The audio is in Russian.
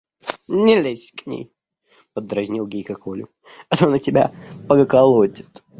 – Не лезь к ней, – поддразнил Гейка Колю, – а то она тебя поколотит.